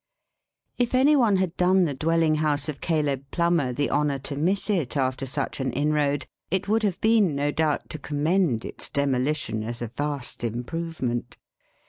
If any one had done the dwelling house of Caleb Plummer the honour to miss it after such an inroad, it would have been, no doubt, to commend its demolition as a vast improvement.